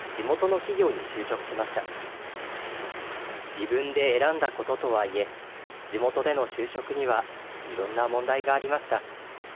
自分で選んだこととはいえ地元での就職には色んな問題がありました。